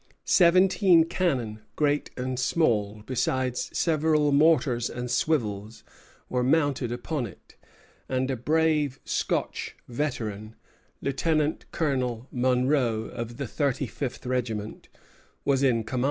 Seventeen cannon, great and small, besides several mortars and swivels, were mounted upon it; and a brave Scotch veteran, Lieutenant Colonel Monro, of the thirty fifth regiment, was in command.